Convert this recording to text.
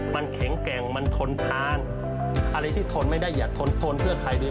มันแข็งแกร่งมันทนทานอะไรที่ทนไม่ได้อย่าทนทนเพื่อใครเลย